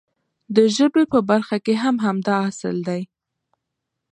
د ژبې په برخه کې هم همدا اصل دی.